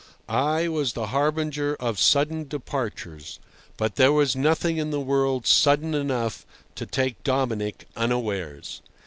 I was the harbinger of sudden departures, but there was nothing in the world sudden enough to take Dominic unawares.